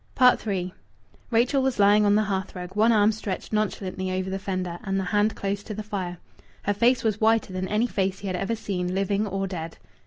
III Rachel was lying on the hearth rug, one arm stretched nonchalantly over the fender and the hand close to the fire. Her face was whiter than any face he had ever seen, living or dead.